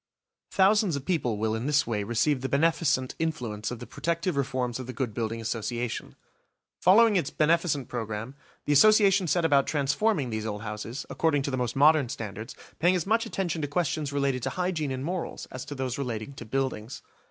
Thousands of people will in this way receive the beneficent influence of the protective reforms of the Good Building Association. Following its beneficent programme, the Association set about transforming these old houses, according to the most modern standards, paying as much attention to questions related to hygiene and morals as to those relating to buildings.